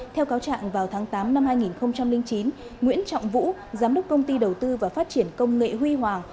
theo cáo trạng vào tháng tám năm hai nghìn chín nguyễn trọng vũ giám đốc công ty đầu tư và phát triển công nghệ huy hoàng